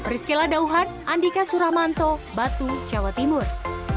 rizkyla dauhan andika suramanto batu jawa timur